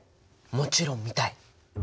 もちろん見たい！